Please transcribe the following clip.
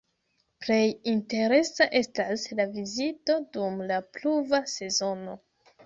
Plej interesa estas la vizito dum la pluva sezono.